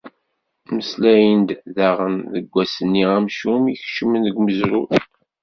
Mmeslayen-d daɣen ɣef wass-nni amcum i ikecmen deg umezruy.